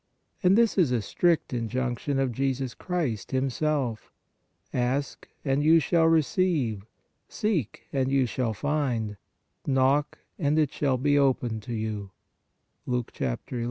And this is a strict injunction of Jesus Christ Himself :" Ask, and you shall receive; seek, and you shall find; knock, and it shall be opened to you " (Luke n.